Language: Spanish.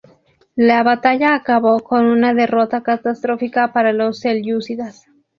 La batalla acabó con una derrota catastrófica para los selyúcidas.